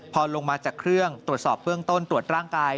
พอลงมาจากเครื่องตรวจสอบเบื้องต้นตรวจร่างกาย